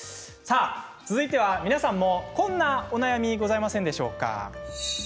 続いては皆さんもこんなお悩みございませんでしょうか。